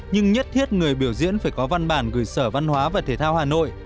nhưng nhất thiết người biểu diễn phải có văn bản gửi sở văn hóa và thể thao hà nội